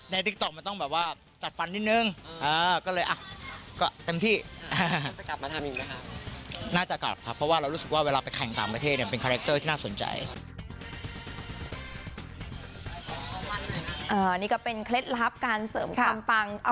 นี่ก็เป็นเคล็ดลับการเสริมความปัง